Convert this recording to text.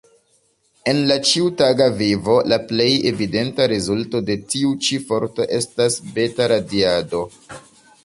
En la ĉiutaga vivo, la plej evidenta rezulto de tiu ĉi forto estas beta-radiado.